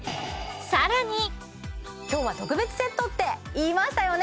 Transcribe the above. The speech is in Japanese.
今日は特別セットって言いましたよね